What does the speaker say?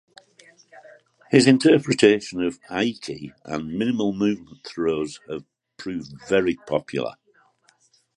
His interpretation of "aiki" and minimal movement throws have proved very popular.